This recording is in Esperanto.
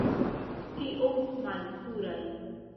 Tiom malpuraj!